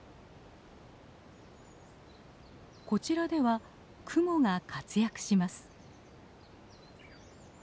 こちらではクモが活躍します。